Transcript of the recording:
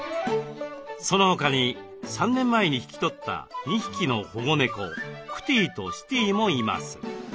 そのほかに３年前に引き取った２匹の保護猫クティとシティもいます。